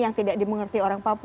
yang tidak dimengerti orang papua